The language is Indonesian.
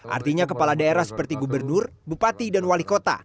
artinya kepala daerah seperti gubernur bupati dan wali kota